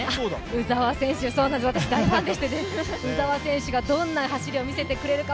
鵜澤選手、私、大ファンでして鵜澤選手がどんな走りを見せてくれるのか